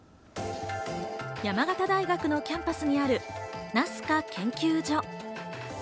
山形大学のキャンパスにあるナスカ研究所。